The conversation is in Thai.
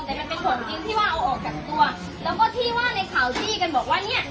แต่มันเป็นส่วนจริงที่ว่าเอาออกจากตัวแล้วก็ที่ว่าในข่าวจี้กันบอกว่าเนี้ย